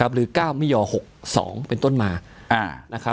หรือ๙มิ๖๒เป็นต้นมา